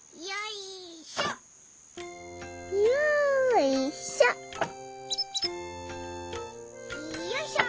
いよいしょ！